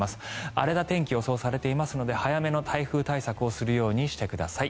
荒れた天気が予想されていますので早めの台風対策をするようにしてください。